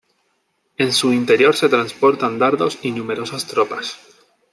En su interior se transportan dardos y numerosas tropas.